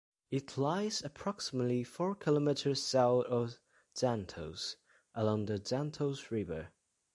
It lies approximately four kilometres south of Xanthos along the Xanthos River.